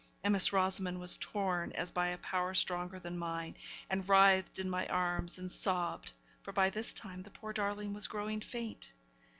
And Miss Rosamond was torn as by a power stronger than mine and writhed in my arms, and sobbed (for by this time the poor darling was growing faint).